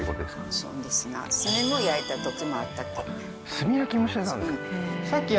炭焼きもしてたんですか？